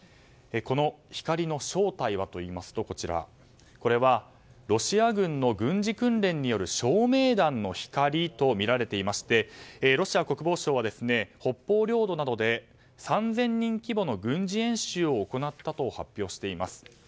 この光の正体はといいますとこれはロシア軍の軍事訓練による照明弾のみられていましてロシア国防省は北方領土などで３０００人規模の軍事演習を行ったと発表しています。